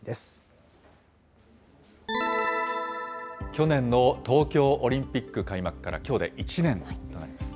去年の東京オリンピック開幕からきょうで１年となります。